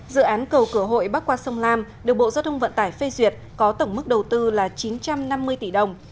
dự án cầu cửa hội bắc qua sông lam được bộ giao thông vận tải phê duyệt có tổng mức đầu tư là chín trăm năm mươi tỷ đồng